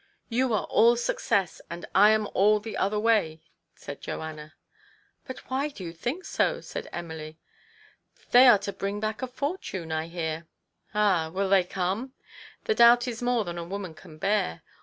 " You are all success, and I am all the other way !" said Joanna. " But why do you think so ?" said Emily. " They are to bring back a fortune, I hear." " Ah, will they come ? The doubt is more than a woman can bear.